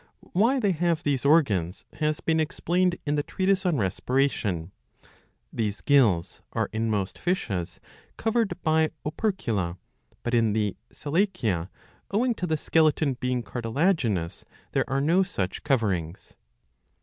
Why they have these organs has been explained in the treatise on Respiration.' ^' These gills are in most fishes covered by opercula, but in the Selachia, owing to the skeleton being cartilaginous, there are no such coverings.